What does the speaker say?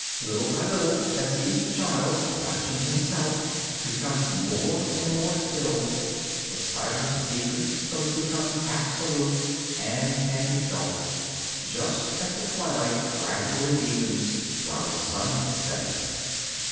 Little by little, as each child, watching himself, becomes more and more still, the silence deepens till it becomes absolute and can be felt, just as the twilight gradually deepens whilst the sun is setting.